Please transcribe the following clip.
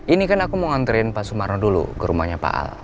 ini kan aku mau nganterin pak sumarno dulu ke rumahnya pak al